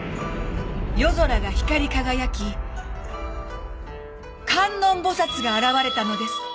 「夜空が光り輝き観音菩薩が現れたのです！」